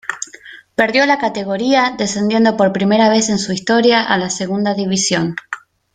Perdió la categoría, descendiendo por primera vez en su historia a la segunda división.